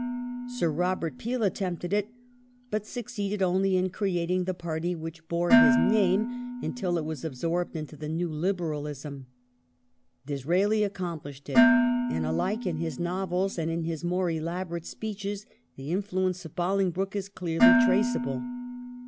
Sir Robert Peel attempted it, but succeeded only in creating the party which bore his name until it was absorbed into the new Liberalism. Disraeli accomplished it ; and alike in his novels and in his more elaborate speeches the influence of Bolingbroke is clearly traceable.